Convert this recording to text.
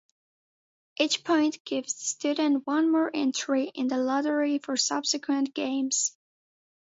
Each point gives the student one more entry in the lottery for subsequent games.